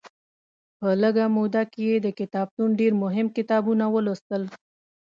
په لږه موده کې یې د کتابتون ډېر مهم کتابونه ولوستل.